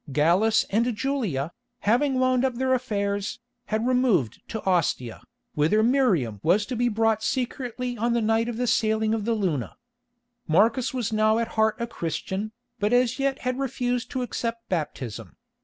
Gallus and Julia, having wound up their affairs, had removed to Ostia, whither Miriam was to be brought secretly on the night of the sailing of the Luna. Marcus was now at heart a Christian, but as yet had refused to accept baptism.